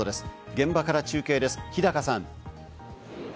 現場から中継です、日高さん。